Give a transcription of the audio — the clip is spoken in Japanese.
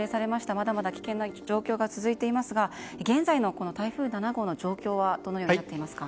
まだまだ危険な状況が続いていますが現在の台風７号の状況はどのようになっていますか？